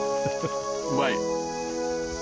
うまい。